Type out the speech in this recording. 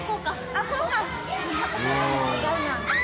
あっこうか！